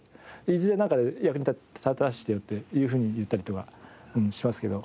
いずれ何かで役に立たせてよっていうふうに言ったりとかしますけど。